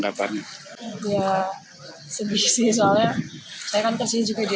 karena memang sudah hujan yang tinggi ya